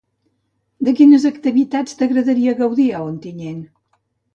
De quines activitats t’agradaria poder gaudir a Ontinyent?